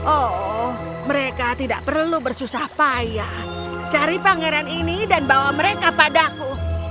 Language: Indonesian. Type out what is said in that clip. oh mereka tidak perlu bersusah payah cari pangeran ini dan bawa mereka padaku